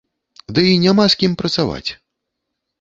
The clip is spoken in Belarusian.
Дый няма з кім працаваць.